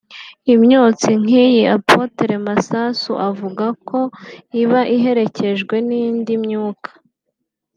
Imyotsi nk'iyi Apotre Masasu avuga ko iba iherekejwe n'indi myuka